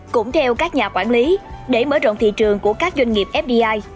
cũng theo các nhà quản lý để mở rộng thị trường của các doanh nghiệp fdi